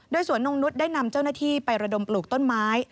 สวนนงนุษย์ได้นำเจ้าหน้าที่ไประดมปลูกต้นไม้